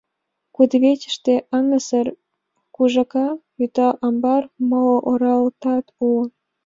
Кудывечыште аҥысыр, кужака вӱта, амбар, моло оралтат уло.